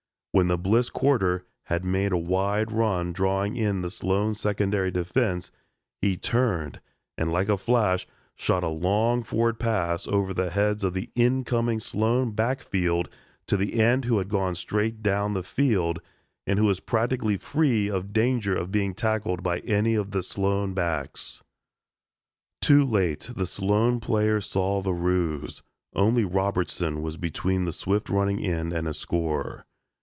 When the Bliss quarter had made a wide run drawing in the Sloan secondary defense, he turned and like a flash shot a long forward pass over the heads of the incoming Sloan backfield to the end who had gone straight down the field and who was practically free of danger of being tackled by any of the Sloan backs. Too late the Sloan players saw the ruse. Only Robertson was between the swift running end and a score.